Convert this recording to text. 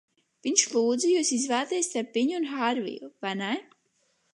Viņš lūdza jūs izvēlēties starp viņu un Hārviju, vai ne?